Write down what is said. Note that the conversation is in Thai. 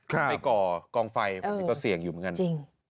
ไปก่อกองไฟมันก็เสี่ยงอยู่เหมือนกันจริง